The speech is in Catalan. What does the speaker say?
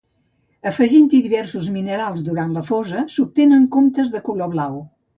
Afegint-li diversos minerals durant la fosa s'obtenen comptes de color blau.